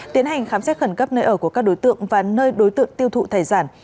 tiến hành khám xét khẩn cấp nơi ở của các đối tượng và nơi đối tượng tiêu thụ tài sản